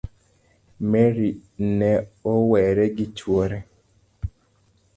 Mary ne owere gi chuore